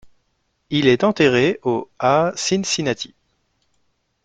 Il est enterré au à Cincinnati.